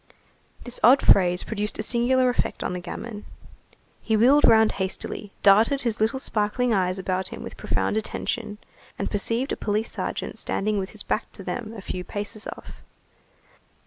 This odd phrase produced a singular effect on the gamin. He wheeled round hastily, darted his little sparkling eyes about him with profound attention, and perceived a police sergeant standing with his back to them a few paces off.